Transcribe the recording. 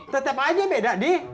tetep aja beda dih